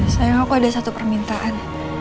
sayang aku ada satu permintaan